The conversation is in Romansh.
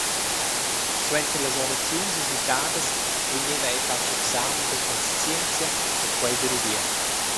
Suenter las oraziuns usitadas vegneva ei fatg examen da cunscienzia, e quei da rudien.